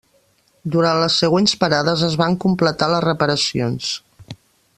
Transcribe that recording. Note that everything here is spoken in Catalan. Durant les següents parades es van completar les reparacions.